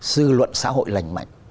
sư luận xã hội lành mạnh